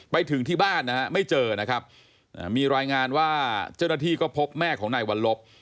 ไปถึงที่บ้านนะฮะไม่เจอนะครับมีรายงานว่าเจ้าหน้าที่ก็พบแม่ของนายวัลลบ